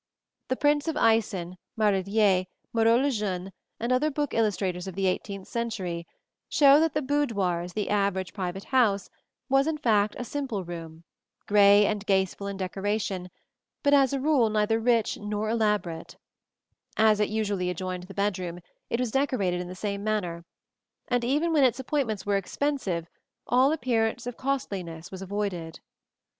The prints of Eisen, Marillier, Moreau le Jeune, and other book illustrators of the eighteenth century, show that the boudoir in the average private house was, in fact, a simple room, gay and graceful in decoration, but as a rule neither rich nor elaborate (see Plate XLI). As it usually adjoined the bedroom, it was decorated in the same manner, and even when its appointments were expensive all appearance of costliness was avoided.